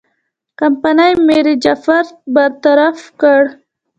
کمپنۍ میرجعفر برطرف کړ.